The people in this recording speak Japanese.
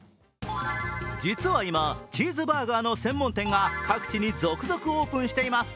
実は今、チーズバーガーの専門店が各地に続々とオープンしています。